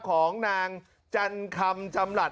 ของนางจันคำจำหลัด